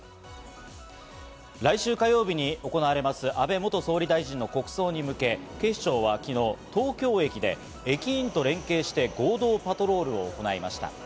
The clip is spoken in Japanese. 来週火曜日に行われます、安倍元総理大臣の国葬に向け、警視庁は昨日、東京駅で駅員と連携して合同パトロールを行いました。